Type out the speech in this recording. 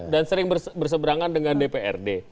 dan sering berseberangan dengan dprd